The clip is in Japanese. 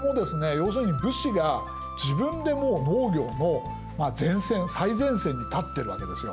要するに武士が自分でもう農業の前線最前線に立ってるわけですよ。